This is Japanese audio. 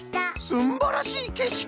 すんばらしいけしき！